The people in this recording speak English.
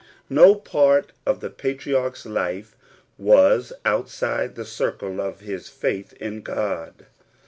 o part of the patriarch's life was outside the circle f his faith in God.